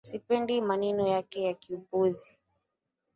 Sipendi maneno yake ya kiupuzi